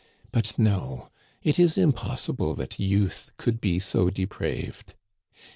But, no ; it is impossible that youth could be so depraved.